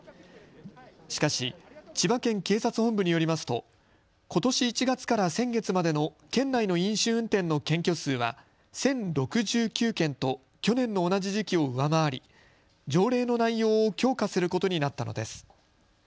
しかし千葉県警察本部によりますと、ことし１月から先月までの県内の飲酒運転の検挙数は１０６９件と去年の同じ時期を上回り条例の内容を強化することになったのです。